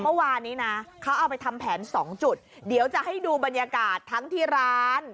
เมื่อวานนี้นะเขาเอาไปทำแผนสองจุดเดี๋ยวจะให้ดูบรรยากาศทั้งที่ร้าน